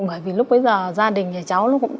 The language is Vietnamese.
bởi vì lúc bấy giờ gia đình nhà cháu